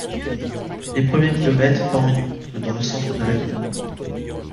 Les premiers kilomètres forment une boucle dans le centre de la ville.